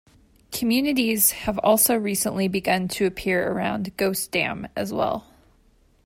Communities have also recently begun to appear around Ghost Dam as well.